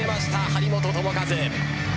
張本智和。